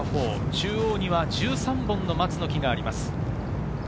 中央には１３本の松の木があります。